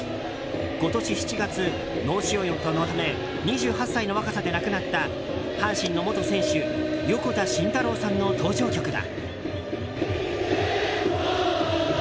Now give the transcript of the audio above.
今年７月、脳腫瘍のため２８歳の若さで亡くなった阪神の元選手横田慎太郎さんの登場曲だ。